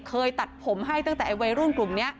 เคยตัดผมให้ตั้งแต่วัยรุ่นกลุ่มนี้